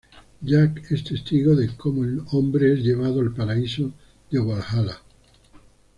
Jack es testigo de como el hombre es llevado al paraíso de Valhalla.